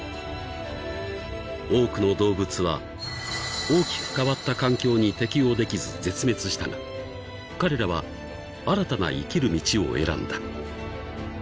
［多くの動物は大きく変わった環境に適応できず絶滅したが彼らは新たな生きる道を選んだ］